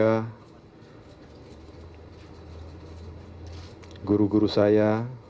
kepada guru guru saya